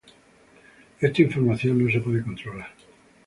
Esta información no se puede controlar.